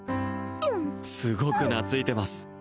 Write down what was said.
すごく懐いてます